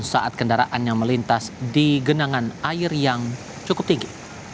saat kendaraannya melintas di genangan air yang cukup tinggi